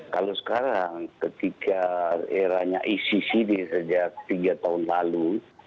kalau sekarang ketika eranya iccd sejak tiga tahun lalu